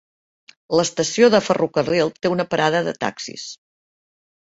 L'estació de ferrocarril té una parada de taxis.